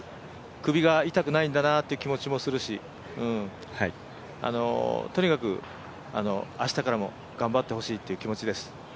首が痛くないんだなという気もするし、とにかく、明日からも頑張ってほしいという気持ちです。